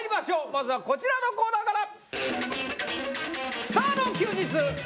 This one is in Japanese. まずはこちらのコーナーから！